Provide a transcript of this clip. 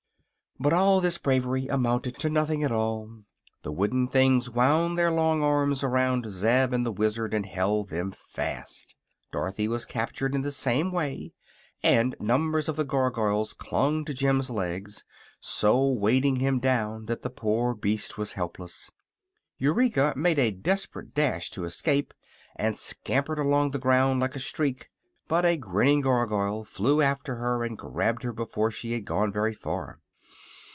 But all this bravery amounted to nothing at all. The wooden things wound their long arms around Zeb and the Wizard and held them fast. Dorothy was captured in the same way, and numbers of the Gargoyles clung to Jim's legs, so weighting him down that the poor beast was helpless. Eureka made a desperate dash to escape and scampered along the ground like a streak; but a grinning Gargoyle flew after her and grabbed her before she had gone very far.